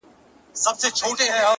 خدای چي و کور ته يو عجيبه منظره راوړې;